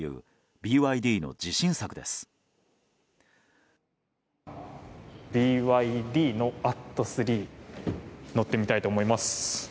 ＢＹＤのＡＴＴＯ３乗ってみたいと思います。